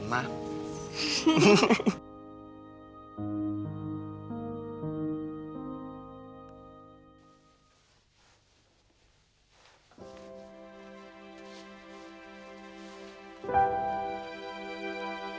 berjaya minta plan pun